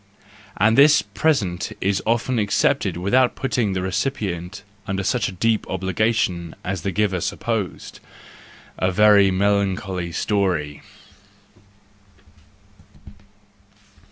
And this present is often accepted without putting the recipient under such deep obligation as the giver supposed, —a very melancholy story!